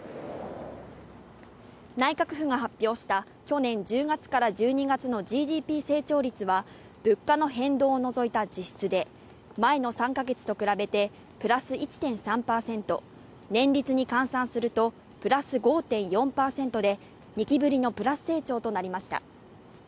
内閣府が発表した去年１０月から１２月のＧＤＰ成長率は物価の変動を除いた実質で前の３か月と比べてプラス１．３％、年率に換算するとプラス５．４％で２期ぶりのプラス成長となりました。